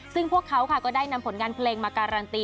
ซึ่งพวกเขาก็ได้นำผลงานเพลงมาการันตี